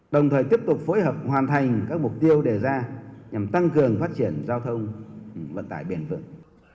đồng thời tiếp tục phối hợp hoàn thành các mục tiêu đề ra nhằm tăng cường phát triển giao thông vận tải biển phượng